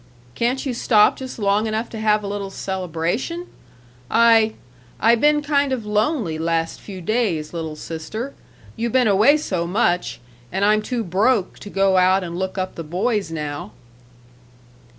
"Can't you stop just long enough to have a little celebration? I I been kind of lonely last few days, little sister. You been away so much, and I'm too broke to go out and look up the boys now."